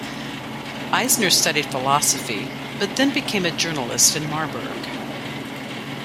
Eisner studied philosophy, but then became a journalist in Marburg.